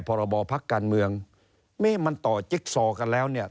พรบพักการเมืองนี่มันต่อจิ๊กซอกันแล้วเนี่ย